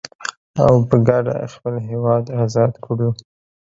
او په کډه خپل هيواد ازاد کړو.